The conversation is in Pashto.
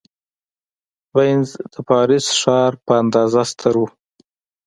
وینز د پاریس ښار په اندازه ستر و.